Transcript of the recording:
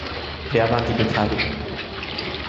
Wer waren die Beteiligten?